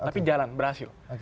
tapi jalan berhasil